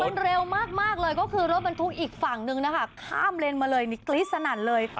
เร็วมากเลยก็คือรถบรรทุกอีกฝั่งนึงนะคะข้ามเลนมาเลยนี่กรี๊ดสนั่นเลย